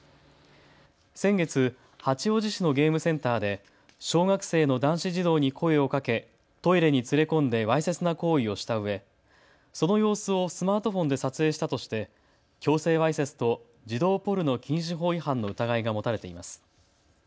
先月、八王子市のゲームセンターで小学生の男子児童に声をかけトイレに連れ込んでわいせつな行為をしたうえその様子をスマートフォンで撮影したとして強制わいせつと児童ポルノ禁止法違反の疑いが持たれています。